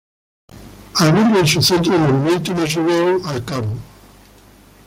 Alberga en su centro el monumento y mausoleo al Gral.